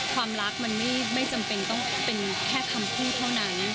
ความรักมันไม่จำเป็นต้องเป็นแค่คำพูดเท่านั้น